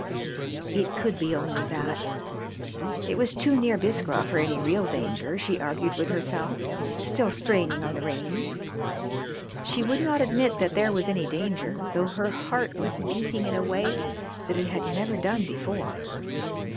It could only be that. It was too near Biskra for any real danger, she argued with herself, still straining on the reins. She would not admit that there was any danger, though her heart was beating in a way that it had never done before.